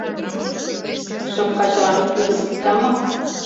Шым качылан ик ӱдыр сита мо?